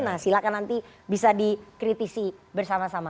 nah silahkan nanti bisa dikritisi bersama sama